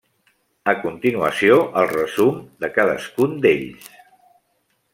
A continuació el resum de cadascun d'ells.